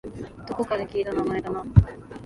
どこかで聞いた名前だな